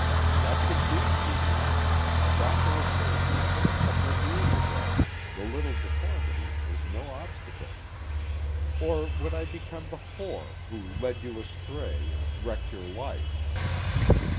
that could be, you know; a doctor assured me of it a couple of years ago, the little deformity is no obstacle. Or would I become the whore who 'led you astray' and 'wrecked your life'?